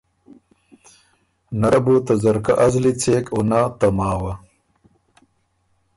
نۀ ره بو ته ځرکۀ ا زلی څېک او نۀ ته ماوه۔